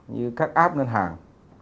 như các app ngân hàng